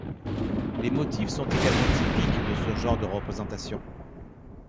Les motifs sont également typiques de ce genre de représentation.